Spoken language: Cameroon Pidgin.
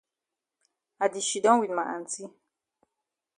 I di shidon wit ma aunty.